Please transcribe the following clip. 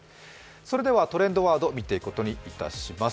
それではトレンドワード、見ていくことにいたします。